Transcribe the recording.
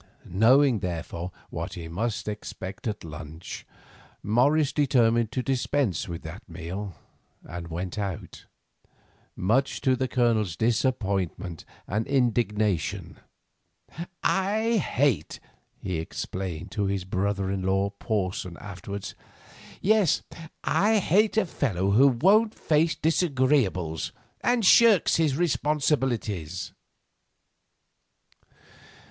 Knowing, therefore, what he must expect at lunch, Morris determined to dispense with that meal, and went out, much to the Colonel's disappointment and indignation. "I hate," he explained to his brother in law Porson afterwards, "yes, I hate a fellow who won't face disagreeables and shirks his responsibilities."